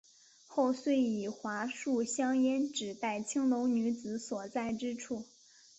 后遂以桦树香烟指代青楼女子所在之处。